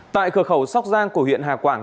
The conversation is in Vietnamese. tại cửa khẩu sóc giang của huyện hà quảng